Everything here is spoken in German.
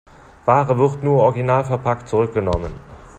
Ware wird nur originalverpackt zurückgenommen.